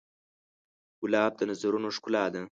ګلاب د نظرونو ښکلا ده.